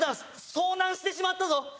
遭難してしまったぞ。